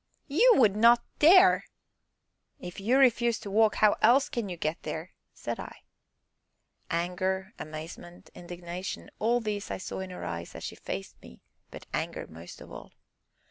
"You would not dare!" "If you refuse to walk, how else can you get there?" said I. Anger, amazement, indignation, all these I saw in her eyes as she faced me, but anger most of all.